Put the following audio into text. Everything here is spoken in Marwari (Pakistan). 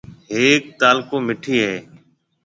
ھيَََڪ تعلقو مٺِي ھيََََ